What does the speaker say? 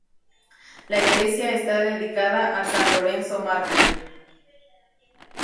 La iglesia está dedicada a san Lorenzo mártir.